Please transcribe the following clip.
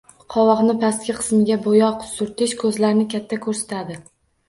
Qovoqning pastki qismiga bo‘yoq surtish ko‘zlarni katta ko‘rsatadi